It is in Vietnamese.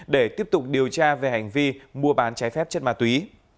để được điều tra về hành vi mua bán trái phép chất ma túy